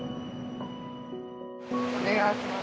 お願いします。